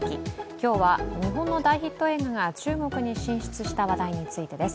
今日は日本の大ヒット映画が中国に進出した話題についてです。